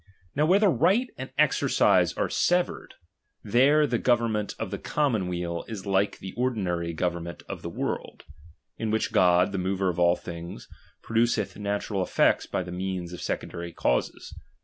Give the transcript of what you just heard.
Now where the right and exercise are severed, there the government of the commonweal is like the ordi nary government of the world ; in which God, the mover of all things, produceth natural effects by the means of secondary causes.